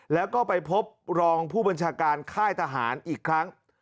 แล้วก็ไปพบรองผู้บัญชาการค่ายทหารอีกครั้ง